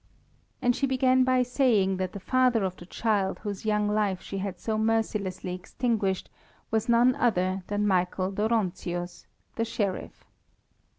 And she began by saying that the father of the child whose young life she had so mercilessly extinguished was none other than Michael Dóronczius, the Sheriff.